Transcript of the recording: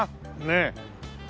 ねえ。